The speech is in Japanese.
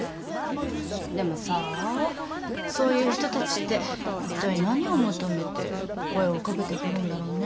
でもさあそういう人たちって一体何を求めて声をかけてくるんだろうね。